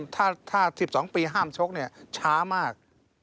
ถ้า๑๒ปีห้ามชกช้ามาก